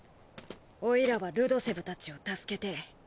オイラはルドセブたちを助けてぇ。